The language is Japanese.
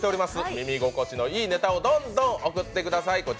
耳心地のいいネタをどんどん送ってください。